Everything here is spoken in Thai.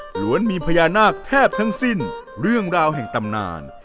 หลวนมีพญานาคแทบทั้งสิ้นเรื่องราวแห่งตำนาน